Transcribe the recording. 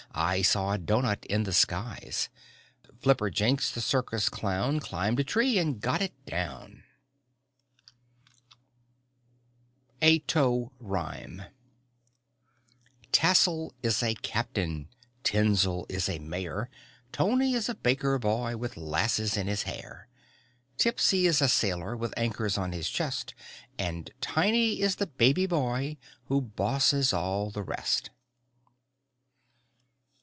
I saw a doughnut in the skies. Flipperjinks the circus clown Climbed a tree and got it down. [Illustration: NEEDLES AND PINS, HOOKS AND EYES!] A TOE RIME Tassle is a captain, Tinsel is a mayor, Tony is a baker boy With 'lasses in his hair, Tipsy is a sailor, With anchors on his chest, And Tiny is the baby boy Who bosses all the rest.